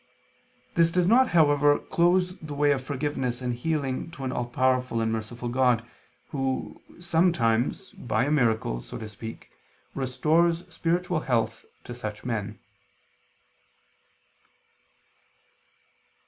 This does not, however, close the way of forgiveness and healing to an all powerful and merciful God, Who, sometimes, by a miracle, so to speak, restores spiritual health to such men.